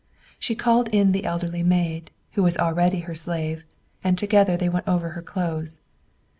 She called in the elderly maid, who was already her slave, and together they went over her clothes.